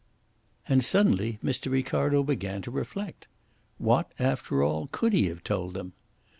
And suddenly, Mr. Ricardo began to reflect. What, after all, could he have told them?